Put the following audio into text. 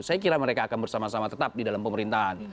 saya kira mereka akan bersama sama tetap di dalam pemerintahan